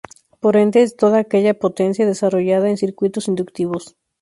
Por ende, es toda aquella potencia desarrollada en circuitos inductivos.